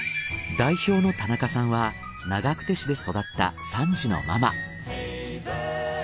代表の田中さんは長久手市で育った３児のママ。